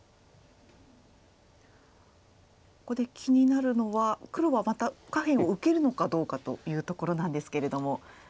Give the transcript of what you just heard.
ここで気になるのは黒はまた下辺を受けるのかどうかというところなんですけれども。